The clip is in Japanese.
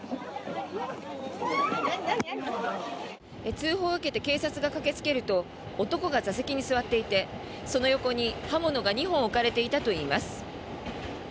通報を受けて警察が駆けつけると男が座席に座っていてその横に刃物が２本置かれていたといいます。